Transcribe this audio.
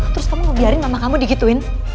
terus kamu mau biarin mama kamu digituin